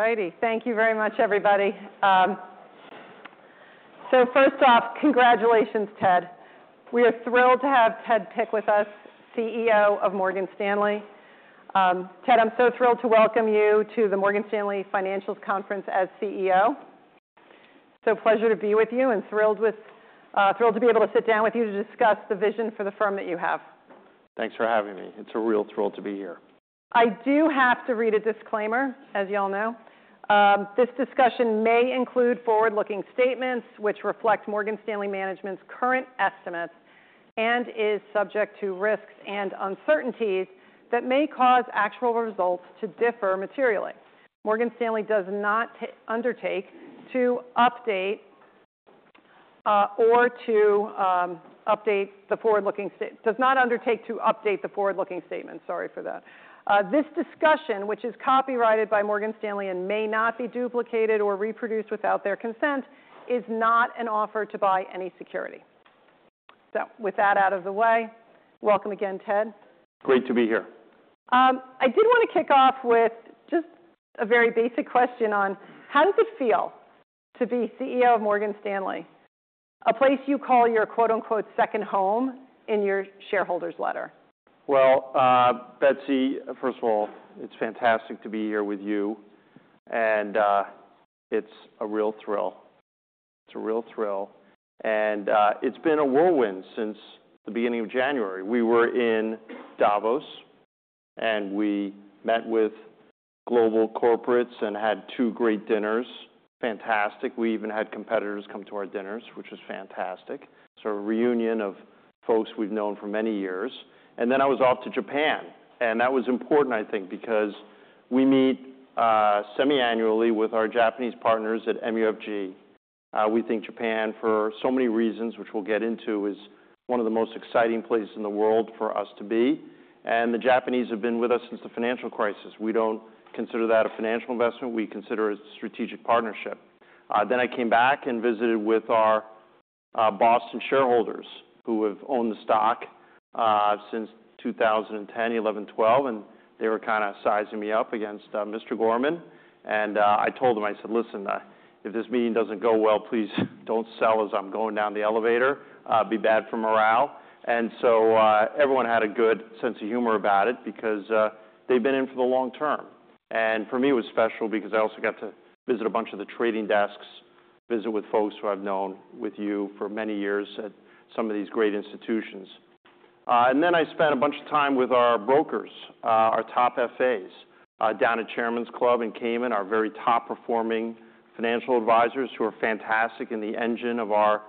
All righty. Thank you very much, everybody. First off, congratulations, Ted. We are thrilled to have Ted Pick with us, CEO of Morgan Stanley. Ted, I'm so thrilled to welcome you to the Morgan Stanley Financials Conference as CEO. It's a pleasure to be with you and thrilled to be able to sit down with you to discuss the vision for the firm that you have. Thanks for having me. It's a real thrill to be here. I do have to read a disclaimer, as you all know. This discussion may include forward-looking statements which reflect Morgan Stanley management's current estimates and is subject to risks and uncertainties that may cause actual results to differ materially. Morgan Stanley does not undertake to update the forward-looking statements. Sorry for that. This discussion, which is copyrighted by Morgan Stanley and may not be duplicated or reproduced without their consent, is not an offer to buy any security. So with that out of the way, welcome again, Ted. Great to be here. I did want to kick off with just a very basic question on how does it feel to be CEO of Morgan Stanley, a place you call your "second home" in your shareholders' letter? Well, Betsy, first of all, it's fantastic to be here with you. It's a real thrill. It's a real thrill. It's been a whirlwind since the beginning of January. We were in Davos, and we met with global corporates and had two great dinners. Fantastic. We even had competitors come to our dinners, which was fantastic. So a reunion of folks we've known for many years. Then I was off to Japan. That was important, I think, because we meet semi-annually with our Japanese partners at MUFG. We think Japan, for so many reasons, which we'll get into, is one of the most exciting places in the world for us to be. The Japanese have been with us since the financial crisis. We don't consider that a financial investment. We consider it a strategic partnership. Then I came back and visited with our Boston shareholders, who have owned the stock since 2010, 2011, 2012. They were kind of sizing me up against Mr. Gorman. I told them, I said, "Listen, if this meeting doesn't go well, please don't sell as I'm going down the elevator. It'd be bad for morale." So everyone had a good sense of humor about it because they've been in for the long term. For me, it was special because I also got to visit a bunch of the trading desks, visit with folks who I've known with you for many years at some of these great institutions. Then I spent a bunch of time with our brokers, our top FAs, down at Chairman's Club in Cayman, our very top-performing financial advisors who are fantastic and the engine of our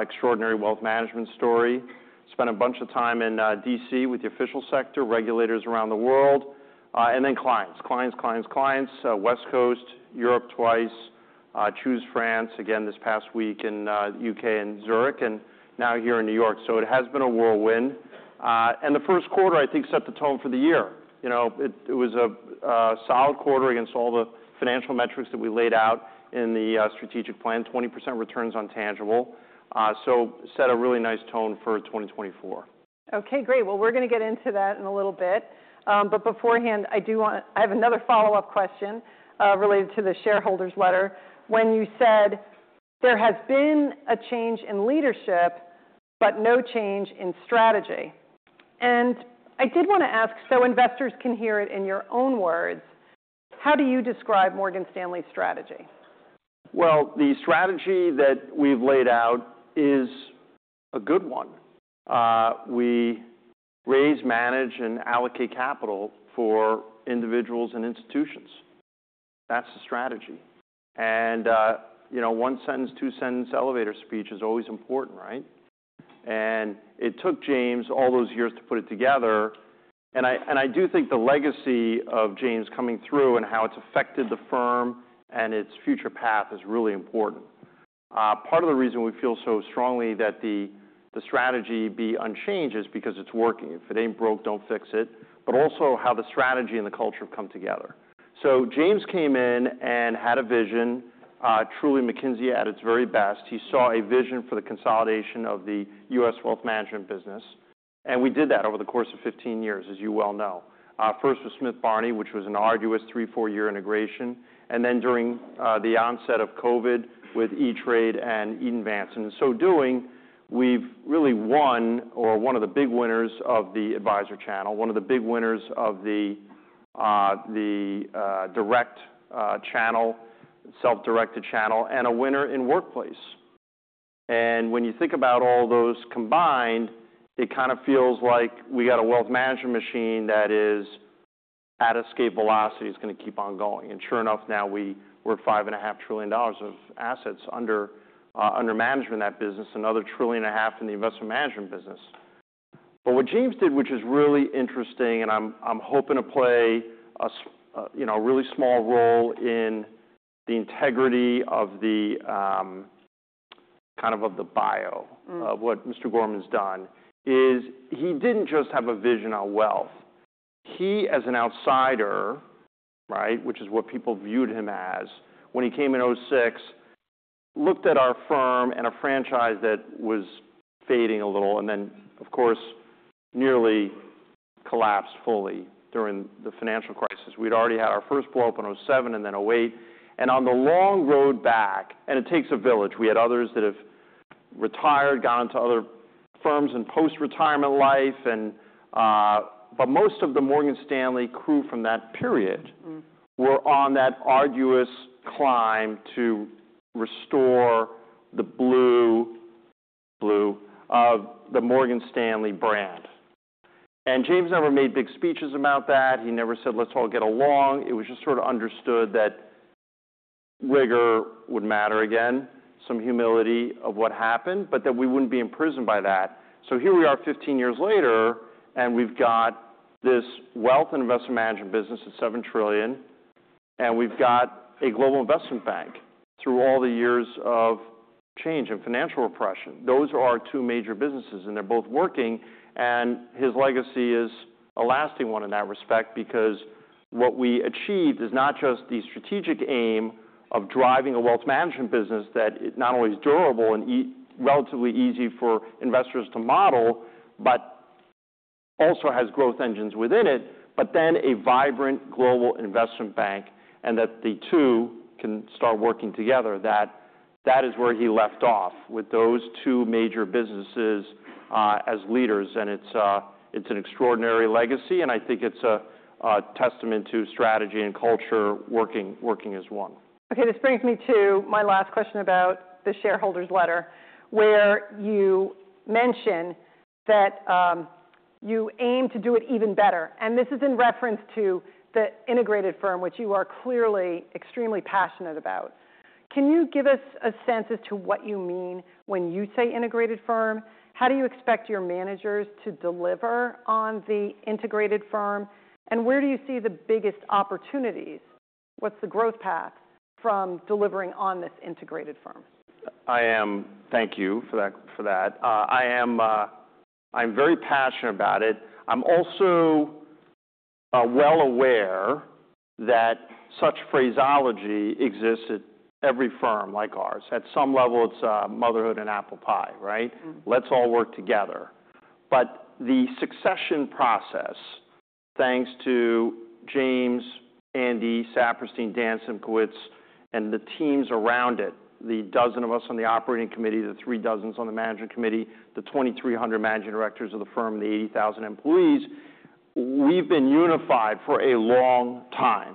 extraordinary wealth management story. Spent a bunch of time in D.C. with the official sector, regulators around the world. And then clients, clients, clients, clients. West Coast, Europe twice, Choose France, again this past week in the U.K. and Zurich, and now here in New York. So it has been a whirlwind. And the first quarter, I think, set the tone for the year. It was a solid quarter against all the financial metrics that we laid out in the strategic plan, 20% returns on tangible. So set a really nice tone for 2024. Okay. Great. Well, we're going to get into that in a little bit. But beforehand, I do want to, I have another follow-up question related to the shareholders' letter. When you said there has been a change in leadership but no change in strategy. I did want to ask, so investors can hear it in your own words, how do you describe Morgan Stanley's strategy? Well, the strategy that we've laid out is a good one. We raise, manage, and allocate capital for individuals and institutions. That's the strategy. And one-sentence, two-sentence elevator speech is always important, right? And it took James all those years to put it together. And I do think the legacy of James coming through and how it's affected the firm and its future path is really important. Part of the reason we feel so strongly that the strategy be unchanged is because it's working. If it ain't broke, don't fix it. But also how the strategy and the culture have come together. So James came in and had a vision, truly McKinsey at its very best. He saw a vision for the consolidation of the U.S. wealth management business. And we did that over the course of 15 years, as you well know. First with Smith Barney, which was an arduous three, four-year integration. And then during the onset of COVID with E*TRADE and Eaton Vance. And in so doing, we've really won, or one of the big winners of the advisor channel, one of the big winners of the direct channel, self-directed channel, and a winner in workplace. And when you think about all those combined, it kind of feels like we got a wealth management machine that is at escape velocity is going to keep on going. And sure enough, now we're at $5.5 trillion of assets under management in that business, another $1.5 trillion in the investment management business. But what James did, which is really interesting, and I'm hoping to play a really small role in the integrity of the kind of bio of what Mr. Gorman's done, is he didn't just have a vision on wealth. He, as an outsider, right, which is what people viewed him as, when he came in 2006, looked at our firm and a franchise that was fading a little and then, of course, nearly collapsed fully during the financial crisis. We'd already had our first blow-up in 2007 and then 2008. On the long road back, and it takes a village. We had others that have retired, gone into other firms in post-retirement life. But most of the Morgan Stanley crew from that period were on that arduous climb to restore the blue, blue of the Morgan Stanley brand. And James never made big speeches about that. He never said, "Let's all get along." It was just sort of understood that rigor would matter again, some humility of what happened, but that we wouldn't be imprisoned by that. So here we are 15 years later, and we've got this wealth and investment management business of $7 trillion. And we've got a global investment bank through all the years of change and financial repression. Those are our two major businesses. And they're both working. And his legacy is a lasting one in that respect because what we achieved is not just the strategic aim of driving a wealth management business that not only is durable and relatively easy for investors to model, but also has growth engines within it, but then a vibrant global investment bank and that the two can start working together. That is where he left off with those two major businesses as leaders. And it's an extraordinary legacy. And I think it's a testament to strategy and culture working as one. Okay. This brings me to my last question about the shareholders' letter, where you mention that you aim to do it even better. This is in reference to the integrated firm, which you are clearly extremely passionate about. Can you give us a sense as to what you mean when you say integrated firm? How do you expect your managers to deliver on the integrated firm? And where do you see the biggest opportunities? What's the growth path from delivering on this integrated firm? I am. Thank you for that. I am very passionate about it. I'm also well aware that such phraseology exists at every firm like ours. At some level, it's motherhood and apple pie, right? Let's all work together. But the succession process, thanks to James, Andy Saperstein, Dan Simkowitz, and the teams around it, the dozen of us on the operating committee, the three dozens on the management committee, the 2,300 managing directors of the firm, the 80,000 employees, we've been unified for a long time.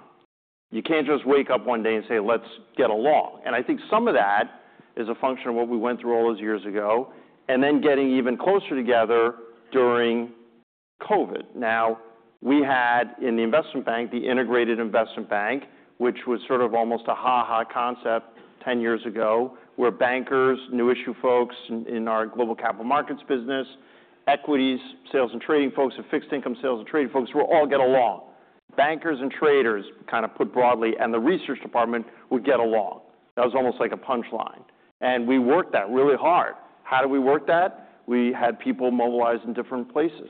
You can't just wake up one day and say, "Let's get along." And I think some of that is a function of what we went through all those years ago and then getting even closer together during COVID. Now, we had in the investment bank, the integrated investment bank, which was sort of almost a ha-ha concept 10 years ago, where bankers, new issue folks in our global capital markets business, equities, sales and trading folks, and fixed income sales and trading folks would all get along. Bankers and traders, kind of put broadly, and the research department would get along. That was almost like a punchline. And we worked that really hard. How did we work that? We had people mobilized in different places.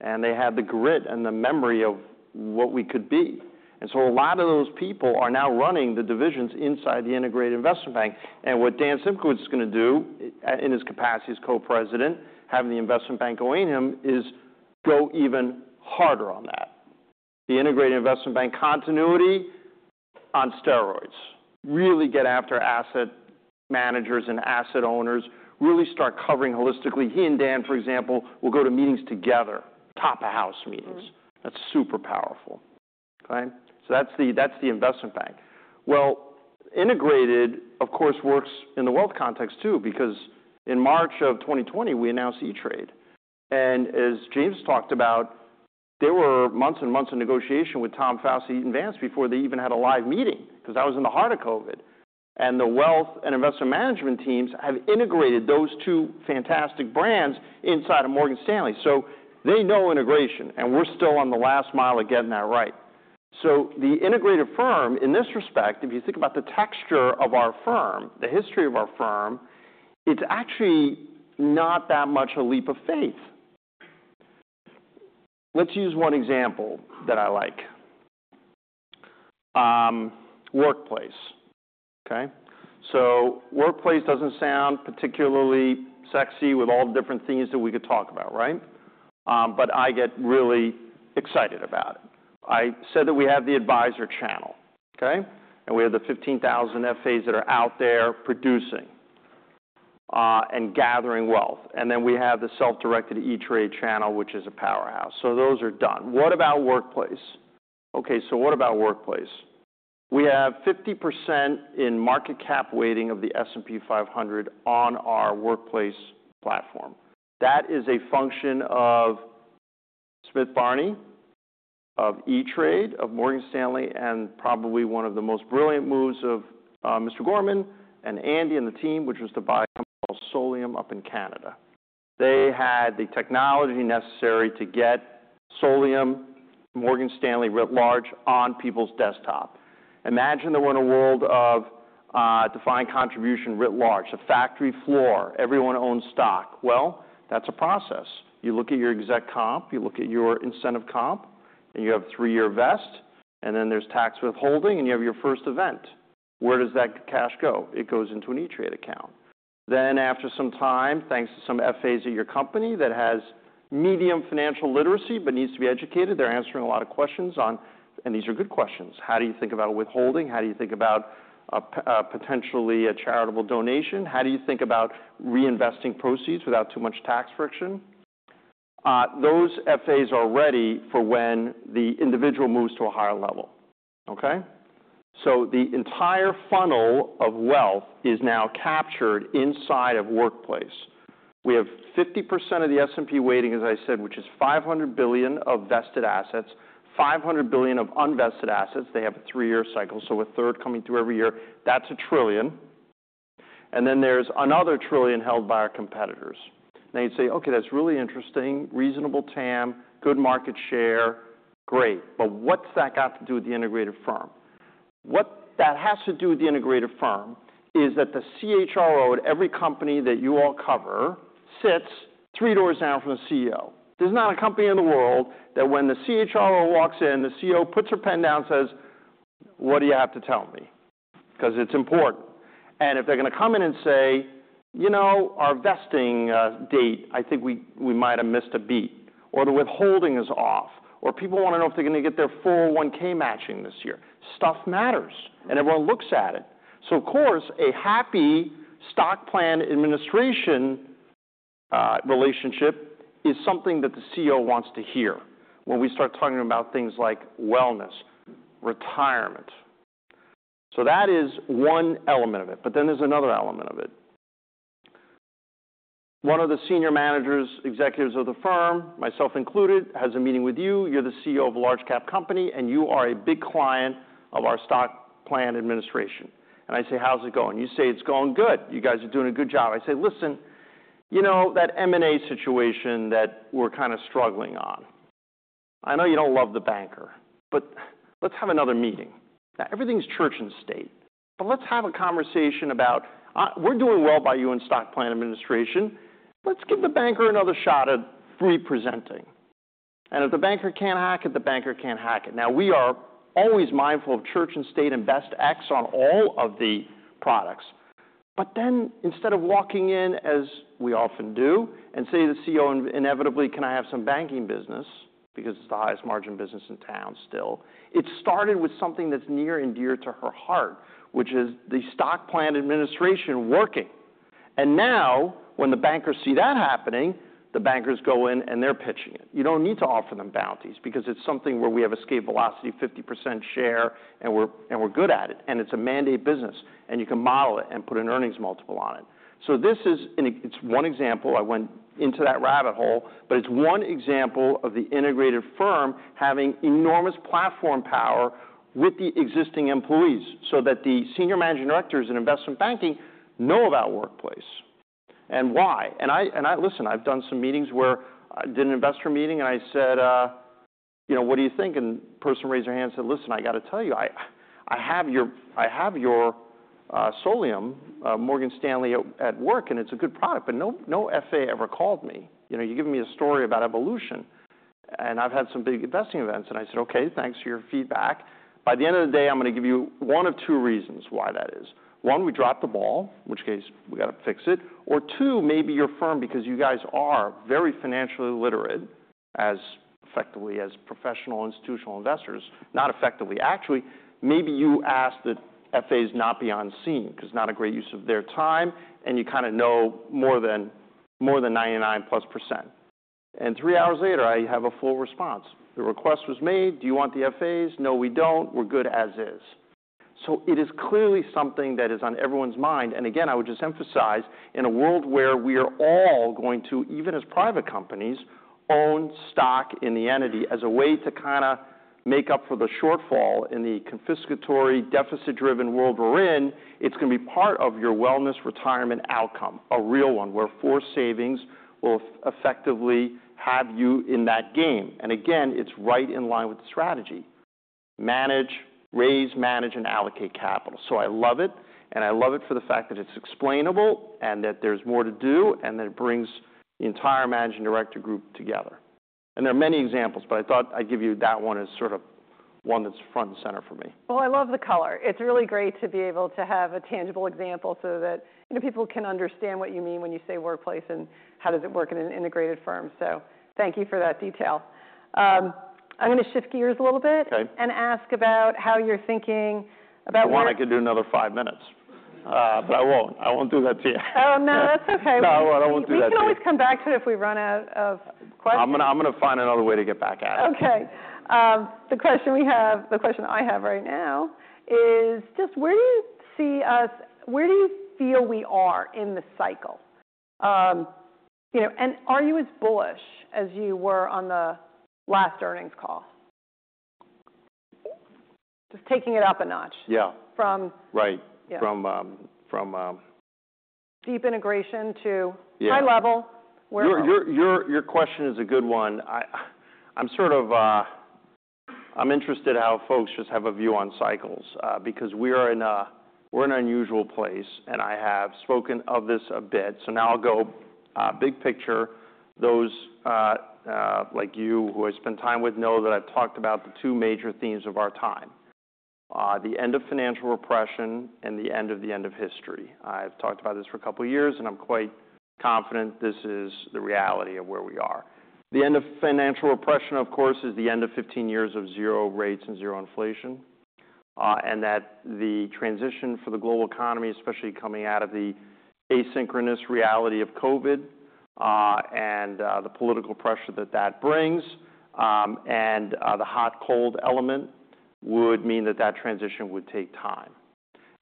And they had the grit and the memory of what we could be. And so a lot of those people are now running the divisions inside the integrated investment bank. And what Dan Simkowitz is going to do in his capacity as Co-President, having the investment bank going him, is go even harder on that. The integrated investment bank continuity on steroids. Really get after asset managers and asset owners. Really start covering holistically. He and Dan, for example, will go to meetings together, top-of-the-house meetings. That's super powerful, okay? So that's the investment bank. Well, integrated, of course, works in the wealth context too because in March of 2020, we announced E*TRADE. And as James talked about, there were months and months of negotiation with Tom Faust, Eaton Vance, before they even had a live meeting because that was in the heart of COVID. And the wealth and investment management teams have integrated those two fantastic brands inside of Morgan Stanley. So they know integration. And we're still on the last mile of getting that right. So the integrated firm, in this respect, if you think about the texture of our firm, the history of our firm, it's actually not that much a leap of faith. Let's use one example that I like. Workplace, okay? So workplace doesn't sound particularly sexy with all the different things that we could talk about, right? But I get really excited about it. I said that we have the advisor channel, okay? And we have the 15,000 FAs that are out there producing and gathering wealth. And then we have the self-directed E*TRADE channel, which is a powerhouse. So those are done. What about workplace? Okay. So what about workplace? We have 50% in market cap weighting of the S&P 500 on our workplace platform. That is a function of Smith Barney, of E*TRADE, of Morgan Stanley, and probably one of the most brilliant moves of Mr. Gorman and Andy and the team, which was to buy a company called Solium up in Canada. They had the technology necessary to get Solium, Morgan Stanley writ large on people's desktop. Imagine that we're in a world of defined contribution writ large, a factory floor. Everyone owns stock. Well, that's a process. You look at your exec comp, you look at your incentive comp, and you have three-year vest, and then there's tax withholding, and you have your first event. Where does that cash go? It goes into an E*TRADE account. Then after some time, thanks to some FAs at your company that has medium financial literacy but needs to be educated, they're answering a lot of questions on, and these are good questions. How do you think about withholding? How do you think about potentially a charitable donation? How do you think about reinvesting proceeds without too much tax friction? Those FAs are ready for when the individual moves to a higher level, okay? So the entire funnel of wealth is now captured inside of workplace. We have 50% of the S&P weighting, as I said, which is $500 billion of vested assets, $500 billion of unvested assets. They have a three-year cycle, so a third coming through every year. That's $1 trillion. And then there's another $1 trillion held by our competitors. Now you'd say, "Okay. That's really interesting. Reasonable TAM, good market share. Great. But what's that got to do with the integrated firm?" What that has to do with the integrated firm is that the CHRO at every company that you all cover sits three doors down from the CEO. There's not a company in the world that when the CHRO walks in, the CEO puts her pen down and says, "What do you have to tell me?" Because it's important. And if they're going to come in and say, "You know, our vesting date, I think we might have missed a beat," or, "The withholding is off," or, "People want to know if they're going to get their full 1K matching this year." Stuff matters. And everyone looks at it. So of course, a happy stock plan administration relationship is something that the CEO wants to hear when we start talking about things like wellness, retirement. So that is one element of it. But then there's another element of it. One of the senior managers, executives of the firm, myself included, has a meeting with you. You're the CEO of a large-cap company, and you are a big client of our stock plan administration. And I say, "How's it going?" You say, "It's going good. You guys are doing a good job." I say, "Listen, you know that M&A situation that we're kind of struggling on? I know you don't love the banker, but let's have another meeting. Now, everything's church and state. But let's have a conversation about we're doing well by you in stock plan administration. Let's give the banker another shot at re-presenting." And if the banker can't hack it, the banker can't hack it. Now, we are always mindful of church and state and best X on all of the products. But then instead of walking in, as we often do, and say to the CEO inevitably, "Can I have some banking business?" because it's the highest margin business in town still, it started with something that's near and dear to her heart, which is the stock plan administration working. And now when the bankers see that happening, the bankers go in and they're pitching it. You don't need to offer them bounties because it's something where we have escape velocity 50% share and we're good at it. And it's a mandate business. And you can model it and put an earnings multiple on it. So this is one example. I went into that rabbit hole, but it's one example of the integrated firm having enormous platform power with the existing employees so that the senior managing directors in investment banking know about Workplace and why. And listen, I've done some meetings where I did an investor meeting and I said, "What do you think?" And the person raised their hand and said, "Listen, I got to tell you. I have your Solium, Morgan Stanley at Work, and it's a good product. But no FA ever called me. You're giving me a story about evolution. And I've had some big investing events." And I said, "Okay. Thanks for your feedback. By the end of the day, I'm going to give you one of two reasons why that is. One, we dropped the ball, in which case we got to fix it. Or two, maybe your firm, because you guys are very financially literate as effectively as professional institutional investors." Not effectively. Actually, maybe you asked that FAs not be on scene because not a great use of their time. And you kind of know more than 99%+. And three hours later, I have a full response. The request was made. Do you want the FAs? No, we don't. We're good as is. So it is clearly something that is on everyone's mind. And again, I would just emphasize, in a world where we are all going to, even as private companies, own stock in the entity as a way to kind of make up for the shortfall in the confiscatory deficit-driven world we're in, it's going to be part of your wellness retirement outcome, a real one where forced savings will effectively have you in that game. And again, it's right in line with the strategy. Manage, raise, manage, and allocate capital. So I love it. And I love it for the fact that it's explainable and that there's more to do and that it brings the entire managing director group together. And there are many examples, but I thought I'd give you that one as sort of one that's front and center for me. Well, I love the color. It's really great to be able to have a tangible example so that people can understand what you mean when you say workplace and how does it work in an integrated firm? So thank you for that detail. I'm going to shift gears a little bit and ask about how you're thinking about. You want, I could do another five minutes, but I won't. I won't do that to you. Oh, no. That's okay. No, I won't do that to you. We can always come back to it if we run out of questions. I'm going to find another way to get back at it. Okay. The question we have, the question I have right now is just where do you see us, where do you feel we are in the cycle? And are you as bullish as you were on the last earnings call? Just taking it up a notch from. Yeah. Right. From. Deep integration to high level, where. Your question is a good one. I'm sort of interested how folks just have a view on cycles because we're in an unusual place. I have spoken of this a bit. So now I'll go big picture. Those like you who I spend time with know that I've talked about the two major themes of our time: the end of financial repression and the end of the end of history. I've talked about this for a couple of years, and I'm quite confident this is the reality of where we are. The end of financial repression, of course, is the end of 15 years of zero rates and zero inflation and that the transition for the global economy, especially coming out of the asynchronous reality of COVID and the political pressure that that brings and the hot-cold element would mean that that transition would take time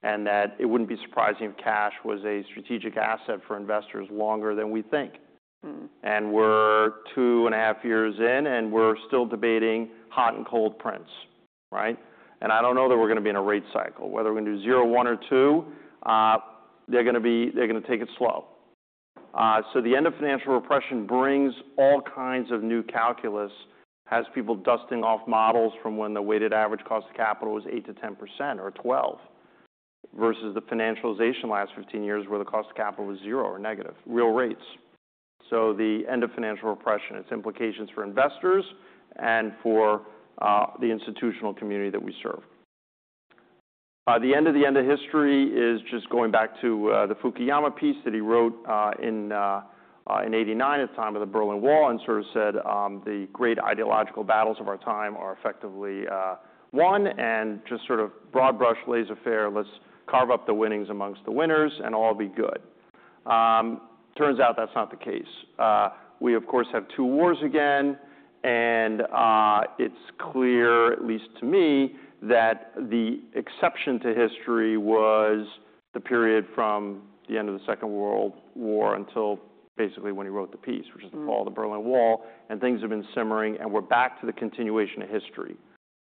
and that it wouldn't be surprising if cash was a strategic asset for investors longer than we think. We're two and a half years in, and we're still debating hot and cold prints, right? I don't know that we're going to be in a rate cycle, whether we're going to do zero, one, or two. They're going to take it slow. So the end of financial repression brings all kinds of new calculus, has people dusting off models from when the weighted average cost of capital was 8%-10% or 12% versus the financialization last 15 years where the cost of capital was zero or negative, real rates. So the end of financial repression, its implications for investors and for the institutional community that we serve. The end of the end of history is just going back to the Fukuyama piece that he wrote in 1989 at the time of the Berlin Wall and sort of said, "The great ideological battles of our time are effectively won." And just sort of broad brush, laissez-faire, let's carve up the winnings among the winners and all be good. Turns out that's not the case. We, of course, have two wars again. It's clear, at least to me, that the exception to history was the period from the end of the Second World War until basically when he wrote the piece, which is the fall of the Berlin Wall. Things have been simmering, and we're back to the continuation of history.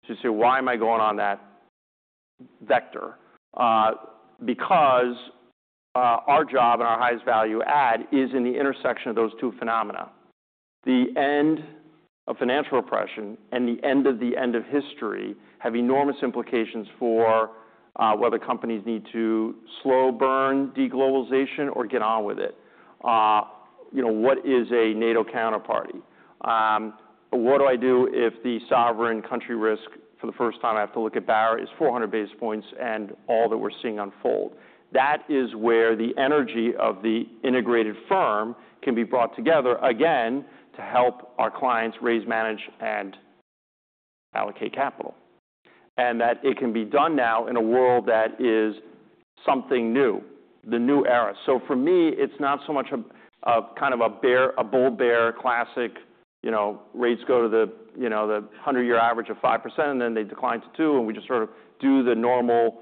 So you say, "Why am I going on that vector?" Because our job and our highest value add is in the intersection of those two phenomena. The end of financial repression and the end of the end of history have enormous implications for whether companies need to slow burn deglobalization or get on with it. What is a NATO counterparty? What do I do if the sovereign country risk for the first time I have to look at Bahrain is 400 basis points and all that we're seeing unfold? That is where the energy of the integrated firm can be brought together again to help our clients raise, manage, and allocate capital. And that it can be done now in a world that is something new, the new era. So for me, it's not so much a kind of a bull bear classic, rates go to the 100-year average of 5%, and then they decline to 2%, and we just sort of do the normal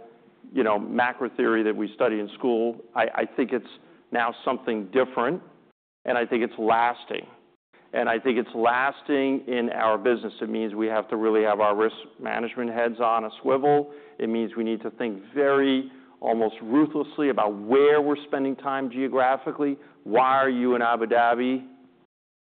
macro theory that we study in school. I think it's now something different, and I think it's lasting. And I think it's lasting in our business. It means we have to really have our risk management heads on a swivel. It means we need to think very almost ruthlessly about where we're spending time geographically. Why are you in Abu Dhabi?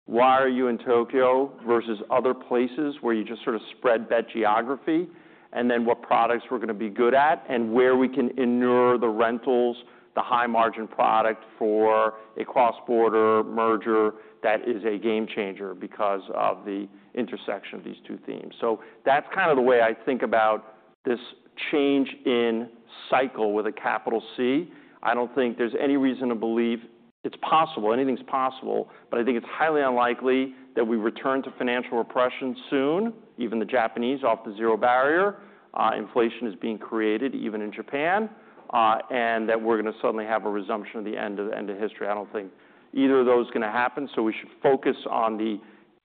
Why are you in Tokyo versus other places where you just sort of spread that geography? And then what products we're going to be good at and where we can enter the rentals, the high-margin product for a cross-border merger that is a game changer because of the intersection of these two themes. So that's kind of the way I think about this change in cycle with a capital C. I don't think there's any reason to believe it's possible. Anything's possible. But I think it's highly unlikely that we return to financial repression soon, even the Japanese off the zero bound. Inflation is being created even in Japan. And that we're going to suddenly have a resumption of the end of history. I don't think either of those is going to happen. We should focus on the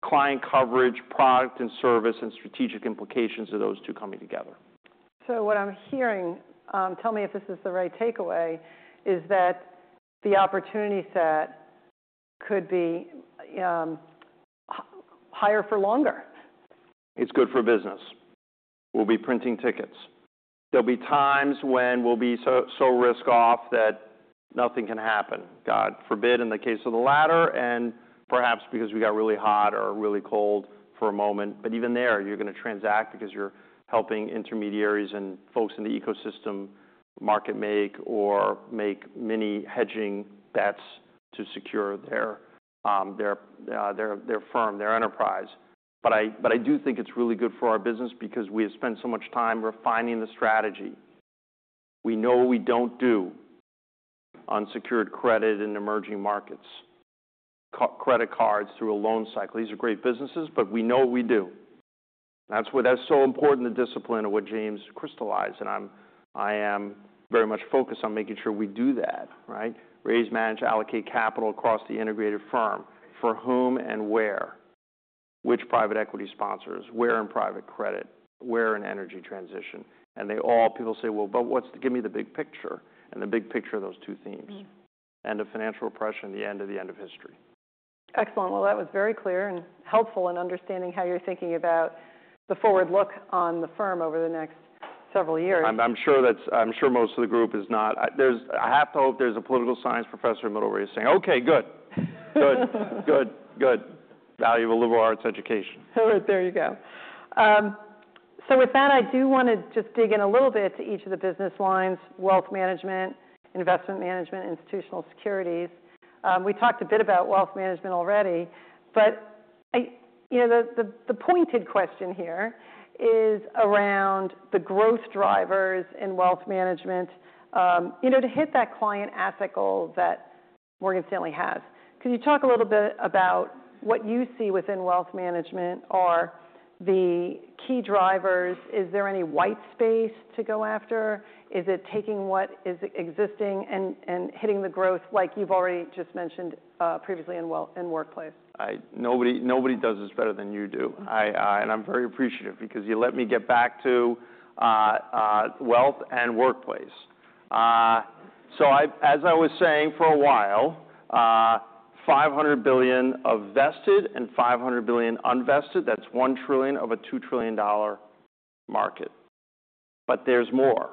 client coverage, product and service, and strategic implications of those two coming together. So what I'm hearing, tell me if this is the right takeaway, is that the opportunity set could be higher for longer. It's good for business. We'll be printing tickets. There'll be times when we'll be so risk off that nothing can happen. God forbid in the case of the latter and perhaps because we got really hot or really cold for a moment. But even there, you're going to transact because you're helping intermediaries and folks in the ecosystem market make or make mini hedging bets to secure their firm, their enterprise. But I do think it's really good for our business because we have spent so much time refining the strategy. We know we don't do unsecured credit in emerging markets, credit cards through a loan cycle. These are great businesses, but we know we do. That's why that's so important, the discipline of what James crystallized. And I am very much focused on making sure we do that, right? Raise, manage, allocate capital across the integrated firm for whom and where? Which private equity sponsors? Where in private credit? Where in energy transition? And they all, people say, "Well, but give me the big picture." The big picture of those two themes: end of financial repression and the end of the end of history. Excellent. Well, that was very clear and helpful in understanding how you're thinking about the forward look on the firm over the next several years. I'm sure most of the group is not. I have to hope there's a political science professor in Middle East saying, "Okay. Good. Good. Good. Good. Valuable liberal arts education. There you go. So with that, I do want to just dig in a little bit to each of the business lines: wealth management, investment management, institutional securities. We talked a bit about wealth management already. But the pointed question here is around the growth drivers in wealth management to hit that client asset goal that Morgan Stanley has. Can you talk a little bit about what you see within wealth management are the key drivers? Is there any white space to go after? Is it taking what is existing and hitting the growth like you've already just mentioned previously in workplace? Nobody does this better than you do. I'm very appreciative because you let me get back to wealth and workplace. As I was saying for a while, $500 billion of vested and $500 billion unvested, that's $1 trillion of a $2 trillion market. There's more.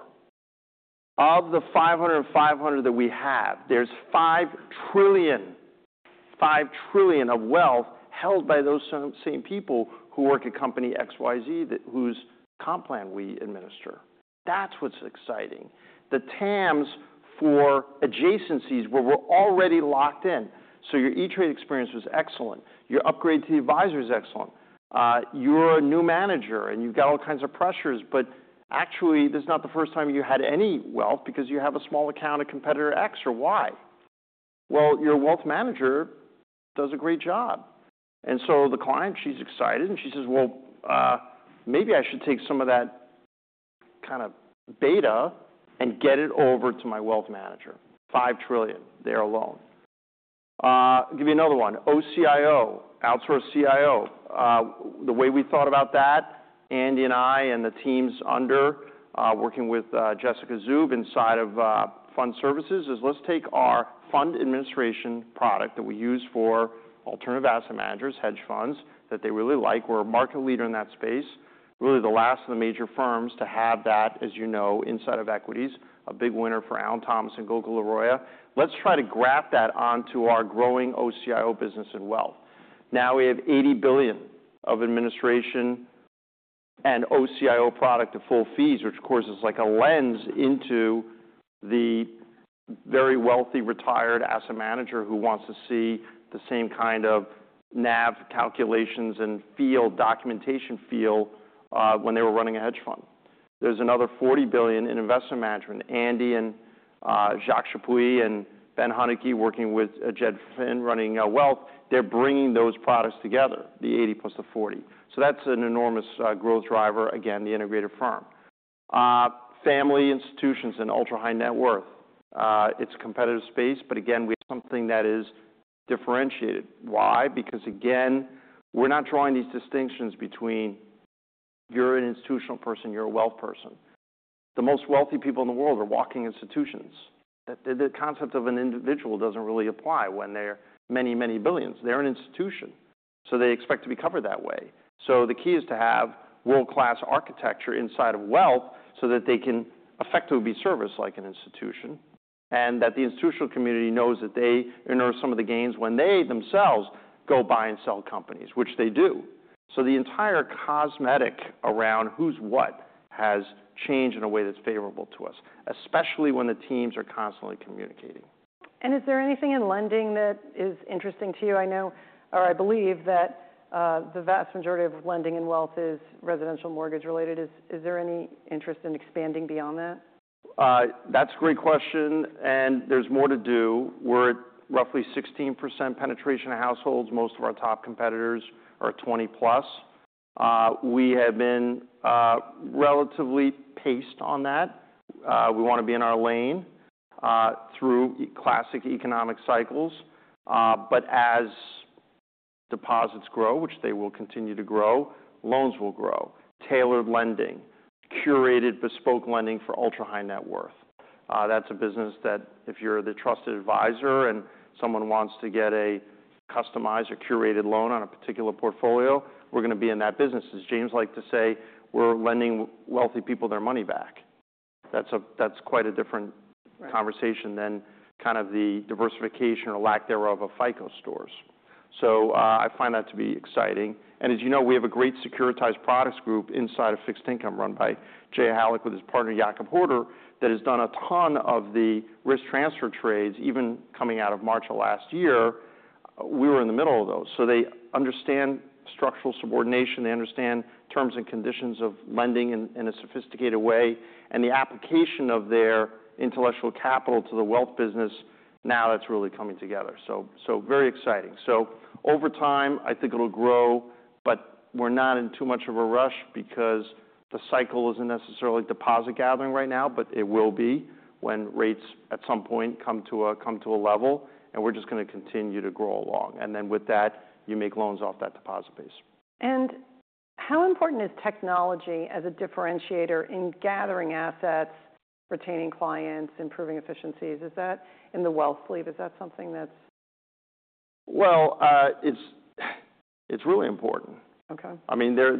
Of the $500 billion and $500 billion that we have, there's $5 trillion of wealth held by those same people who work at company XYZ whose comp plan we administer. That's what's exciting. The TAMs for adjacencies where we're already locked in. Your E*TRADE experience was excellent. Your upgrade to the advisor is excellent. You're a new manager, and you've got all kinds of pressures. Actually, this is not the first time you had any wealth because you have a small account at competitor X or Y. Well, your wealth manager does a great job. And so the client, she's excited, and she says, "Well, maybe I should take some of that kind of beta and get it over to my wealth manager." $5 trillion there alone. Give you another one. OCIO, outsource CIO. The way we thought about that, Andy and I and the teams under working with Jessica Zoob inside of fund services is let's take our fund administration product that we use for alternative asset managers, hedge funds that they really like. We're a market leader in that space. Really the last of the major firms to have that, as you know, inside of equities, a big winner for Alan Thomas and Gokul Laroia. Let's try to graft that onto our growing OCIO business and wealth. Now we have $80 billion of administration and OCIO product at full fees, which, of course, is like a lens into the very wealthy retired asset manager who wants to see the same kind of NAV calculations and field documentation feel when they were running a hedge fund. There's another $40 billion in investment management. Andy and Jacques Chappuis and Ben Huneke, working with Jed Finn, running wealth, they're bringing those products together, the $80 billion plus the $40 billion. So that's an enormous growth driver. Again, the integrated firm. Family institutions and ultra-high net worth. It's a competitive space. But again, we have something that is differentiated. Why? Because again, we're not drawing these distinctions between you're an institutional person, you're a wealth person. The most wealthy people in the world are walking institutions. The concept of an individual doesn't really apply when they're many, many billions. They're an institution. They expect to be covered that way. The key is to have world-class architecture inside of wealth so that they can effectively be serviced like an institution and that the institutional community knows that they earn some of the gains when they themselves go buy and sell companies, which they do. The entire ecosystem around who's who has changed in a way that's favorable to us, especially when the teams are constantly communicating. Is there anything in lending that is interesting to you? I know or I believe that the vast majority of lending and wealth is residential mortgage related. Is there any interest in expanding beyond that? That's a great question. There's more to do. We're at roughly 16% penetration of households. Most of our top competitors are 20+. We have been relatively paced on that. We want to be in our lane through classic economic cycles. But as deposits grow, which they will continue to grow, loans will grow, tailored lending, curated bespoke lending for ultra-high net worth. That's a business that if you're the trusted advisor and someone wants to get a customized or curated loan on a particular portfolio, we're going to be in that business. As James liked to say, we're lending wealthy people their money back. That's quite a different conversation than kind of the diversification or lack thereof of FICO stores. So I find that to be exciting. As you know, we have a great securitized products group inside of fixed income run by Jay Hallik with his partner, Joachim Haarder, that has done a ton of the risk transfer trades, even coming out of March of last year. We were in the middle of those. So they understand structural subordination. They understand terms and conditions of lending in a sophisticated way. And the application of their intellectual capital to the wealth business now that's really coming together. So very exciting. So over time, I think it'll grow. But we're not in too much of a rush because the cycle isn't necessarily deposit gathering right now, but it will be when rates at some point come to a level. And we're just going to continue to grow along. And then with that, you make loans off that deposit base. How important is technology as a differentiator in gathering assets, retaining clients, improving efficiencies? Is that in the wealth sleeve? Is that something that's. Well, it's really important. I mean, there's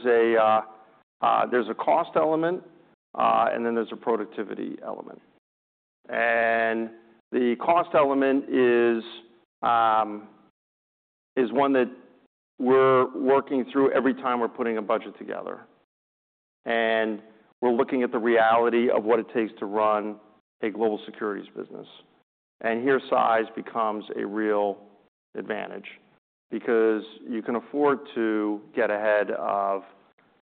a cost element, and then there's a productivity element. And the cost element is one that we're working through every time we're putting a budget together. And we're looking at the reality of what it takes to run a global securities business. And here size becomes a real advantage because you can afford to get ahead of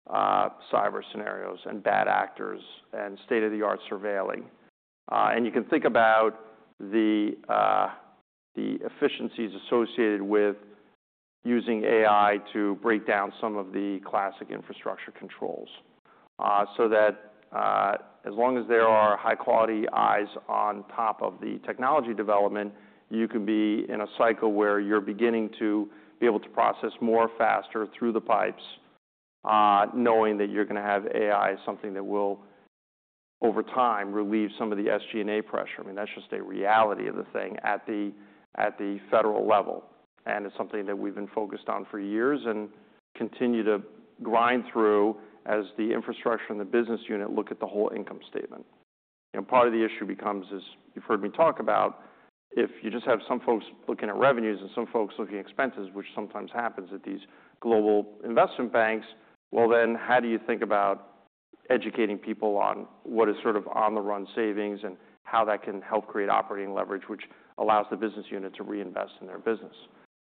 cyber scenarios and bad actors and state-of-the-art surveilling. And you can think about the efficiencies associated with using AI to break down some of the classic infrastructure controls. So that as long as there are high-quality eyes on top of the technology development, you can be in a cycle where you're beginning to be able to process more faster through the pipes, knowing that you're going to have AI, something that will over time relieve some of the SG&A pressure. I mean, that's just a reality of the thing at the federal level. It's something that we've been focused on for years and continue to grind through as the infrastructure and the business unit look at the whole income statement. Part of the issue becomes is you've heard me talk about if you just have some folks looking at revenues and some folks looking at expenses, which sometimes happens at these global investment banks, well, then how do you think about educating people on what is sort of on-the-run savings and how that can help create operating leverage, which allows the business unit to reinvest in their business?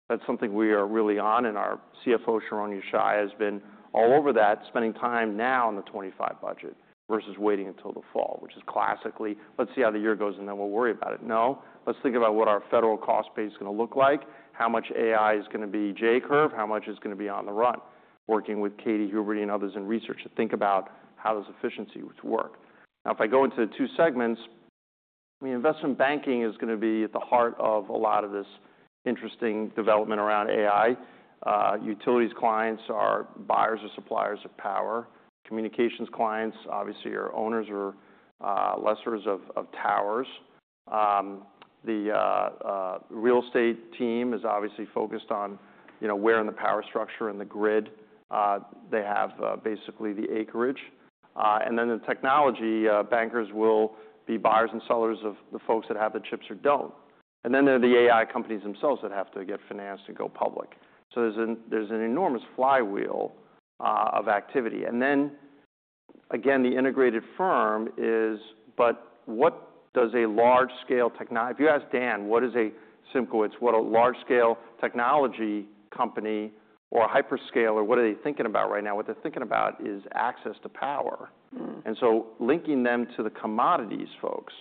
That's something we are really on. Our CFO, Sharon Yeshaya, has been all over that, spending time now on the 2025 budget versus waiting until the fall, which is classically, "Let's see how the year goes, and then we'll worry about it." No. Let's think about what our federal cost base is going to look like, how much AI is going to be J curve, how much is going to be on the run, working with Katy Huberty and others in research to think about how does efficiency work. Now, if I go into the two segments, I mean, investment banking is going to be at the heart of a lot of this interesting development around AI. Utilities clients are buyers or suppliers of power. Communications clients, obviously, are owners or lessors of towers. The real estate team is obviously focused on where in the power structure and the grid they have basically the acreage. And then the technology bankers will be buyers and sellers of the folks that have the chips or don't. And then there are the AI companies themselves that have to get financed and go public. So there's an enormous flywheel of activity. And then again, the integrated firm is, but what does a large-scale technology if you ask Dan, what is a simple, it's, what a large-scale technology company or hyperscale or what are they thinking about right now? What they're thinking about is access to power. And so linking them to the commodities folks.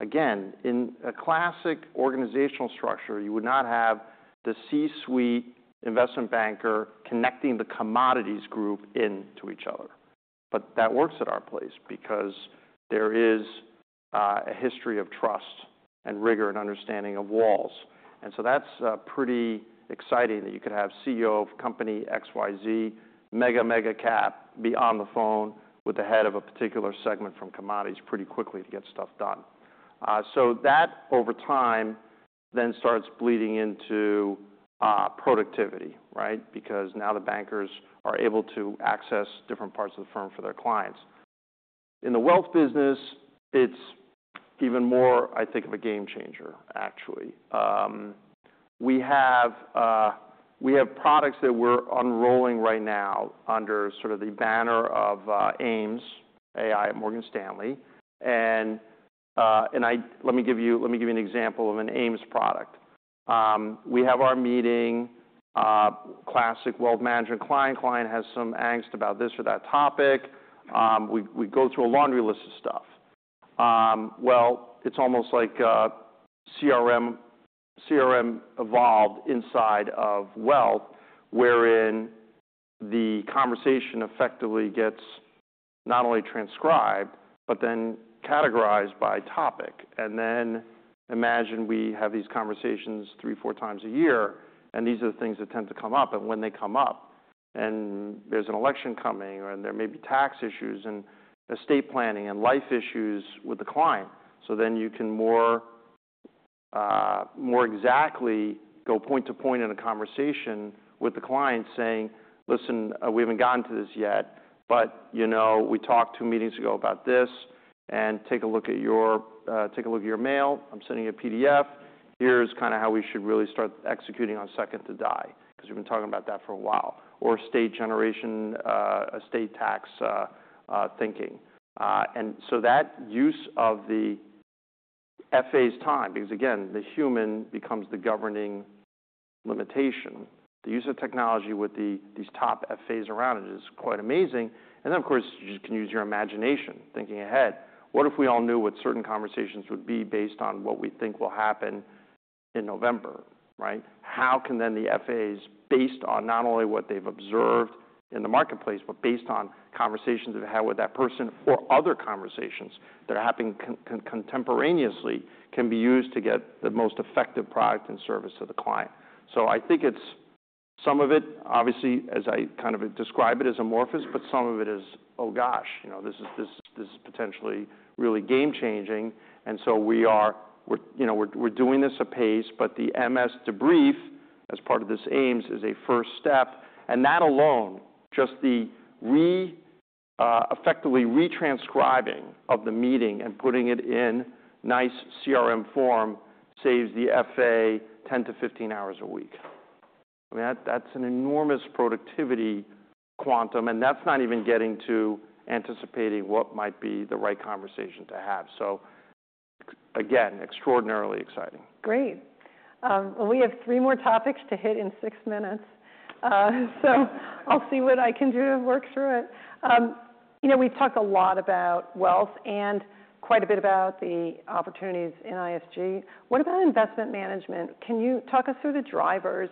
Again, in a classic organizational structure, you would not have the C-suite investment banker connecting the commodities group into each other. But that works at our place because there is a history of trust and rigor and understanding of walls. That's pretty exciting that you could have CEO of company XYZ, mega mega cap, be on the phone with the head of a particular segment from commodities pretty quickly to get stuff done. That over time then starts bleeding into productivity, right? Because now the bankers are able to access different parts of the firm for their clients. In the wealth business, it's even more, I think, of a game changer, actually. We have products that we're unrolling right now under sort of the banner of AIMS, AI at Morgan Stanley. Let me give you an example of an AIMS product. We have our meeting, classic wealth management client. Client has some angst about this or that topic. We go through a laundry list of stuff. Well, it's almost like CRM evolved inside of wealth, wherein the conversation effectively gets not only transcribed but then categorized by topic. And then imagine we have these conversations three, four times a year. And these are the things that tend to come up and when they come up. And there's an election coming, or there may be tax issues and estate planning and life issues with the client. So then you can more exactly go point to point in a conversation with the client saying, "Listen, we haven't gotten to this yet, but we talked two meetings ago about this. And take a look at your mail. I'm sending you a PDF. Here's kind of how we should really start executing on second to die because we've been talking about that for a while," or estate generation, estate tax thinking. So that use of the FA's time because again, the human becomes the governing limitation. The use of technology with these top FAs around it is quite amazing. Then, of course, you just can use your imagination, thinking ahead. What if we all knew what certain conversations would be based on what we think will happen in November, right? How can then the FAs, based on not only what they've observed in the marketplace, but based on conversations they've had with that person or other conversations that are happening contemporaneously, can be used to get the most effective product and service to the client? So I think it's some of it, obviously, as I kind of describe it as amorphous, but some of it is, "Oh gosh, this is potentially really game changing." And so we're doing this apace, but the MS Debrief as part of this AIMS is a first step. And that alone, just the effectively retranscribing of the meeting and putting it in nice CRM form saves the FA 10-15 hours a week. I mean, that's an enormous productivity quantum. And that's not even getting to anticipating what might be the right conversation to have. So again, extraordinarily exciting. Great. Well, we have three more topics to hit in six minutes. So I'll see what I can do to work through it. We've talked a lot about wealth and quite a bit about the opportunities in ISG. What about investment management? Can you talk us through the drivers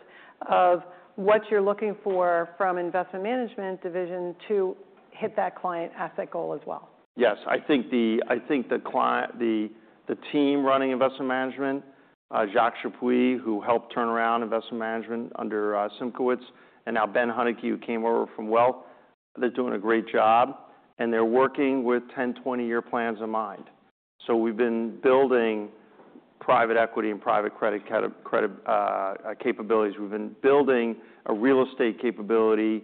of what you're looking for from investment management division to hit that client asset goal as well? Yes. I think the team running investment management, Jacques Chappuis, who helped turn around investment management under Simkowitz and now Ben Huneke, who came over from Wealth, they're doing a great job. They're working with 10- and 20-year plans in mind. We've been building private equity and private credit capabilities. We've been building a real estate capability.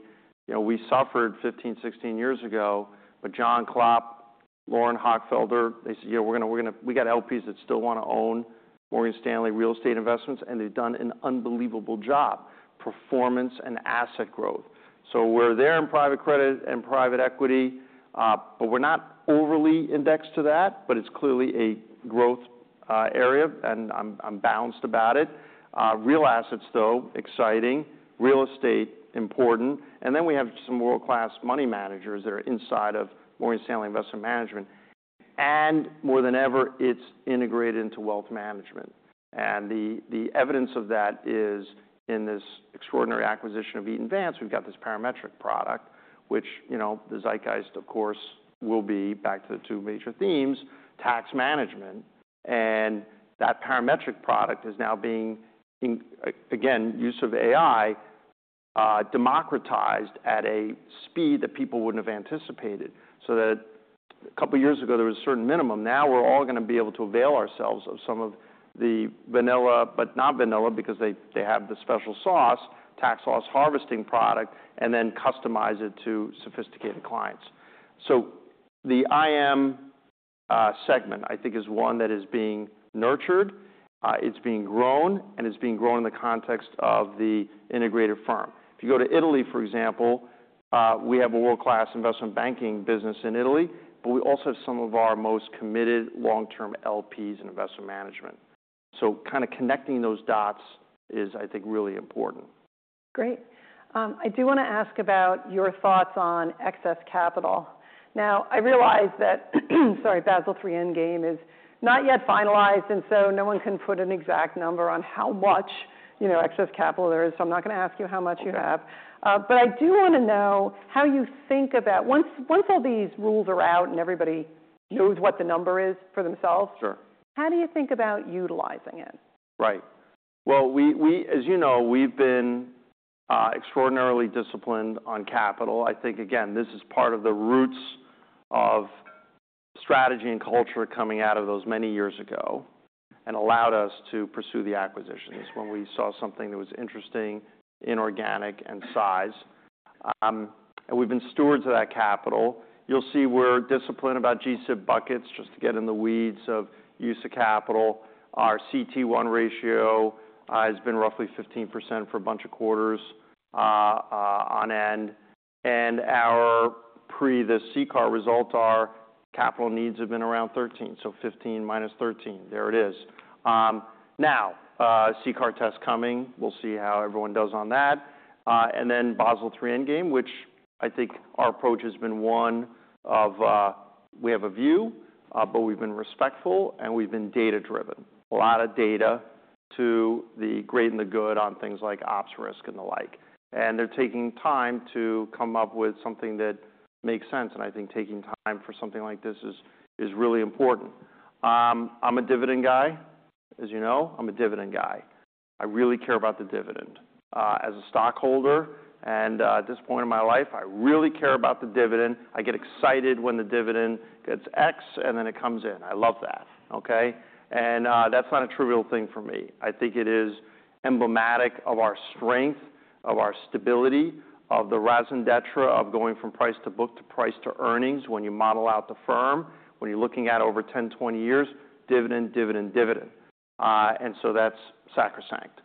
We suffered 15, 16 years ago, but John Klopp, Lauren Hochfelder, they said, "Yeah, we're going to. We got LPs that still want to own Morgan Stanley real estate investments." They've done an unbelievable job, performance and asset growth. We're there in private credit and private equity, but we're not overly indexed to that, but it's clearly a growth area, and I'm bullish about it. Real assets, though, exciting. Real estate, important. Then we have some world-class money managers that are inside of Morgan Stanley Investment Management. More than ever, it's integrated into wealth management. The evidence of that is in this extraordinary acquisition of Eaton Vance. We've got this Parametric product, which the zeitgeist, of course, will be back to the two major themes, tax management. That Parametric product is now being, again, use of AI democratized at a speed that people wouldn't have anticipated. A couple of years ago, there was a certain minimum. Now we're all going to be able to avail ourselves of some of the vanilla, but not vanilla because they have the special sauce, tax loss harvesting product, and then customize it to sophisticated clients. The IM segment, I think, is one that is being nurtured. It's being grown, and it's being grown in the context of the integrated firm. If you go to Italy, for example, we have a world-class investment banking business in Italy, but we also have some of our most committed long-term LPs in investment management. So kind of connecting those dots is, I think, really important. Great. I do want to ask about your thoughts on excess capital. Now, I realize that, sorry, Basel III Endgame is not yet finalized, and so no one can put an exact number on how much excess capital there is. So I'm not going to ask you how much you have. But I do want to know how you think about once all these rules are out and everybody knows what the number is for themselves, how do you think about utilizing it? Right. Well, as you know, we've been extraordinarily disciplined on capital. I think, again, this is part of the roots of strategy and culture coming out of those many years ago and allowed us to pursue the acquisitions when we saw something that was interesting, inorganic, and size. We've been stewards of that capital. You'll see we're disciplined about GSIB buckets just to get in the weeds of use of capital. Our CET1 ratio has been roughly 15% for a bunch of quarters on end. Our pre the CCAR result, our capital needs have been around 13%. So 15% minus 13%. There it is. Now, CCAR test coming. We'll see how everyone does on that. Then Basel III endgame, which I think our approach has been one of we have a view, but we've been respectful, and we've been data-driven. A lot of data to the great and the good on things like ops risk and the like. They're taking time to come up with something that makes sense. I think taking time for something like this is really important. I'm a dividend guy. As you know, I'm a dividend guy. I really care about the dividend. As a stockholder, and at this point in my life, I really care about the dividend. I get excited when the dividend goes ex, and then it comes in. I love that, okay? That's not a trivial thing for me. I think it is emblematic of our strength, of our stability, of the P/B and P/E of going from price to book to price to earnings when you model out the firm, when you're looking at over 10, 20 years, dividend, dividend, dividend. That's sacrosanct.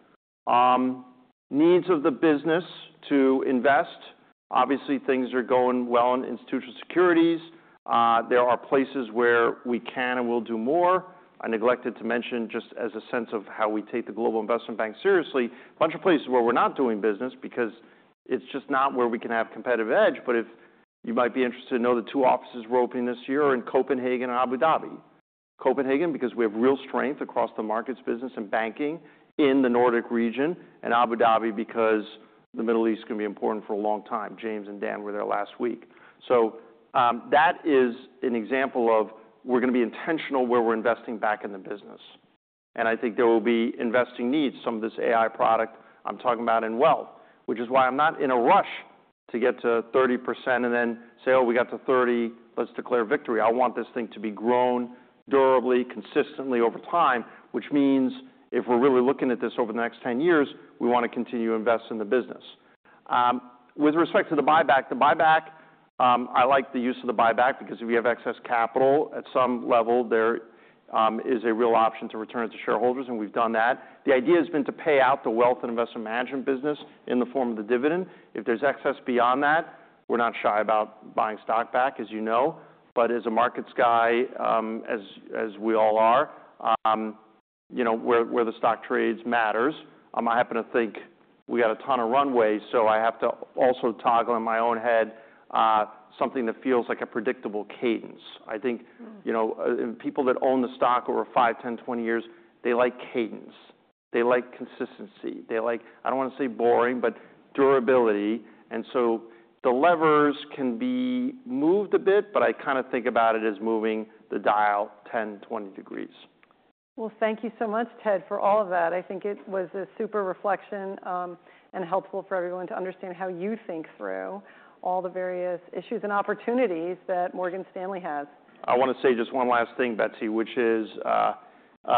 Needs of the business to invest. Obviously, things are going well in Institutional Securities. There are places where we can and will do more. I neglected to mention just as a sense of how we take the global investment bank seriously, a bunch of places where we're not doing business because it's just not where we can have competitive edge. But if you might be interested to know the two offices we're opening this year are in Copenhagen and Abu Dhabi. Copenhagen because we have real strength across the markets business and banking in the Nordic region, and Abu Dhabi because the Middle East is going to be important for a long time. James and Dan were there last week. So that is an example of we're going to be intentional where we're investing back in the business. I think there will be investing needs, some of this AI product I'm talking about in Wealth, which is why I'm not in a rush to get to 30% and then say, "Oh, we got to 30%. Let's declare victory." I want this thing to be grown durably, consistently over time, which means if we're really looking at this over the next 10 years, we want to continue to invest in the business. With respect to the buyback, the buyback, I like the use of the buyback because if you have excess capital at some level, there is a real option to return it to shareholders, and we've done that. The idea has been to pay out the wealth and investment management business in the form of the dividend. If there's excess beyond that, we're not shy about buying stock back, as you know. But as a markets guy, as we all are, where the stock trades matters, I happen to think we got a ton of runway, so I have to also toggle in my own head something that feels like a predictable cadence. I think people that own the stock over five, 10, 20 years, they like cadence. They like consistency. They like, I don't want to say boring, but durability. And so the levers can be moved a bit, but I kind of think about it as moving the dial 10, 20 degrees. Well, thank you so much, Ted, for all of that. I think it was a super reflection and helpful for everyone to understand how you think through all the various issues and opportunities that Morgan Stanley has. I want to say just one last thing, Betsy, which is it's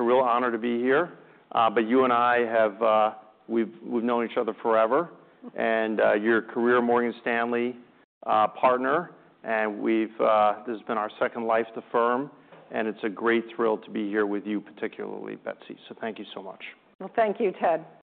a real honor to be here. But you and I have, we've known each other forever. And your career, Morgan Stanley partner, and this has been our second life at the firm. And it's a great thrill to be here with you, particularly, Betsy. So thank you so much. Well, thank you, Ted.